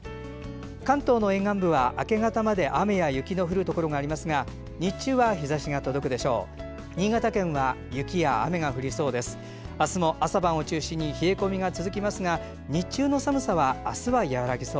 関東の沿岸部は明け方まで雨や雪の降るところがありますが日中は日ざしが届くでしょう。